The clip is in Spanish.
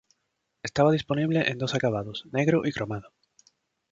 Estaba disponible en dos acabados, negro y cromado.